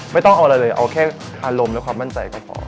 ไม่ต้องเอาอะไรเลยเอาแค่อารมณ์และความมั่นใจก็พอ